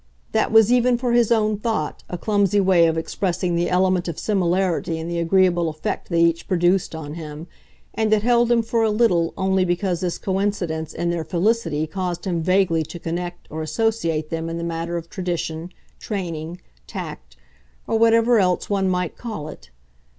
That was even for his own thought a clumsy way of expressing the element of similarity in the agreeable effect they each produced on him, and it held him for a little only because this coincidence in their felicity caused him vaguely to connect or associate them in the matter of tradition, training, tact, or whatever else one might call it.